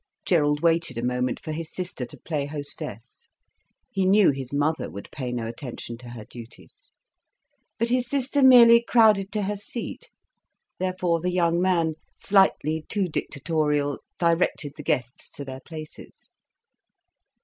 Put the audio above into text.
Gerald waited a moment, for his sister to play hostess. He knew his mother would pay no attention to her duties. But his sister merely crowded to her seat. Therefore the young man, slightly too dictatorial, directed the guests to their places.